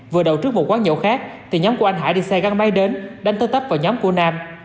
vừa đầu trước một quán nhậu khác thì nhóm của anh hải đi xe găng bay đến đánh tớ tấp vào nhóm của nam